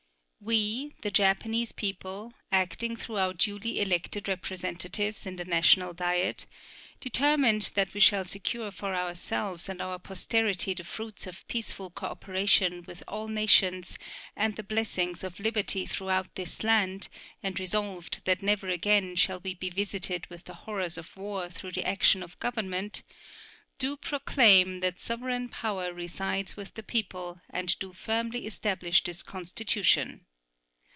We, the Japanese people, acting through our duly elected representatives in the National Diet, determined that we shall secure for ourselves and our posterity the fruits of peaceful cooperation with all nations and the blessings of liberty throughout this land, and resolved that never again shall we be visited with the horrors of war through the action of government, do proclaim that sovereign power resides with the people and do firmly establish this Constitution.